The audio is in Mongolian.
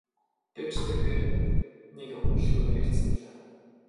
Гэвч тэрбээр нэг их удалгүй баригдсан байлаа.